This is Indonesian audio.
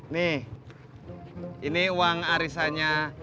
nih ini uang arisannya